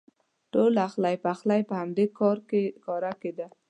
ټول اخلی پخلی په همدې هرکاره کې کېده.